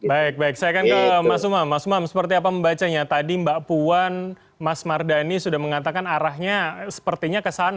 baik baik saya akan ke mas umam mas umam seperti apa membacanya tadi mbak puan mas mardani sudah mengatakan arahnya sepertinya kesana